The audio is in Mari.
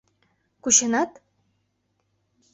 Кученат?..